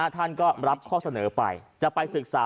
ท่านก็รับข้อเสนอไปจะไปศึกษา